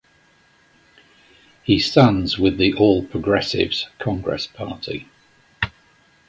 He stands with the All Progressives Congress Party.